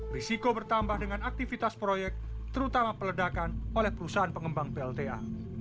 risiko bertambah dengan aktivitas proyek terutama peledakan oleh perusahaan pengembang plta